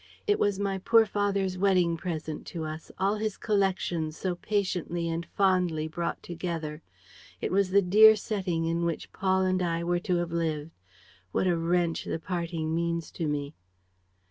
It was my poor father's wedding present to us, all his collections so patiently and fondly brought together; it was the dear setting in which Paul and I were to have lived. What a wrench the parting means to me!